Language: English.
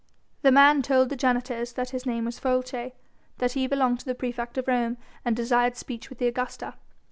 The man told the janitors that his name was Folces, that he belonged to the praefect of Rome and desired speech with the Augusta.